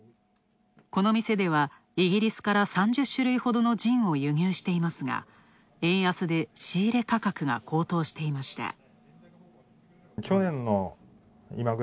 この店ではイギリスから３０種類ほどのジンを輸入していますが、円安で仕入れ価格が高騰していました。